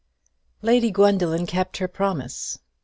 Lady Gwendoline kept her promise.